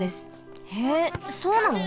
へえそうなの？